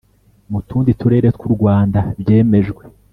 mu tundi turere tw u Rwanda byemejwe